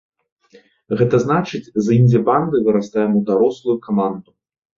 Гэта значыць, з індзі-банды вырастаем ў дарослую каманду.